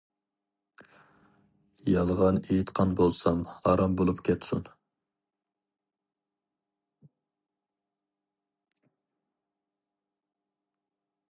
يالغان ئېيتقان بولسام ھارام بولۇپ كەتسۇن!